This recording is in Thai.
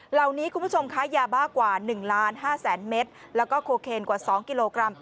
เหล่านี้คุณผู้ชมคะยาบ้ากว่า๑๕๐๐๐เมตรแล้วก็โคเคนกว่า๒กิโลกรัม